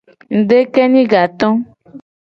Ngudekenye gato.